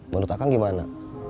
menurut akan gimana